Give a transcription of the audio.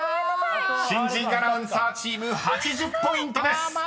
［新人アナウンサーチーム８０ポイントです］